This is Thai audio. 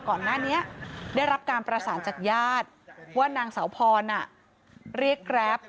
ก่อนหน้านี้ได้รับการประสานจากญาติว่านางสาวพรเรียกแกรป